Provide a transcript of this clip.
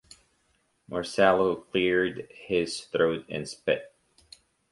Marcello cleared his throat and spit.